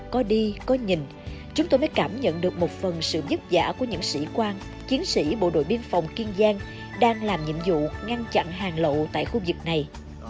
có đi có nhìn chúng tôi mới cảm nhận được một phần sự dứt giả của những sĩ quan chiến sĩ bộ đội biên phòng kiên giang đang làm nhiệm vụ ngăn chặn hàng lậu tại khu vực này